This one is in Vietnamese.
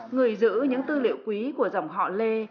người giữ những tư liệu quý của dòng họ lê